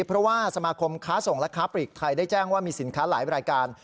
เพราะว่าสมาคมค้าส่งและค้าปลีกไทยได้แจ้งว่ามีสินค้าหลายรายการ